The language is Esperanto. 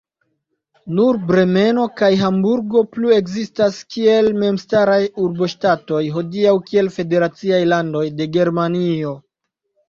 Nur Bremeno kaj Hamburgo plu-ekzistas kiel memstaraj urboŝtatoj, hodiaŭ kiel federaciaj landoj de Germanio.